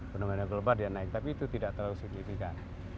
fenomena global dia naik tapi itu tidak terlalu signifikan